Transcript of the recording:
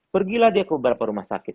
pergilah dia ke beberapa rumah sakit